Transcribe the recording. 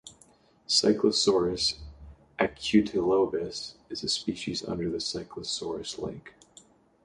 Cyclosorus acutilobus is a species under the Cyclosorus Link.